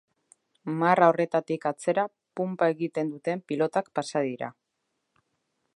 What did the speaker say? Marra horretatik atzera punpa egiten duten pilotak pasa dira.